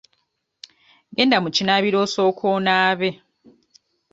Genda mu kinaabiro osooke onaabe.